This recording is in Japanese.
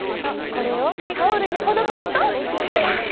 これをタオルに施すとおりゃ！